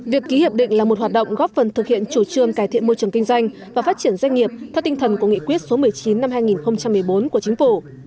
việc ký hiệp định là một hoạt động góp phần thực hiện chủ trương cải thiện môi trường kinh doanh và phát triển doanh nghiệp